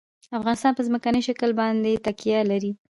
افغانستان په ځمکنی شکل باندې تکیه لري.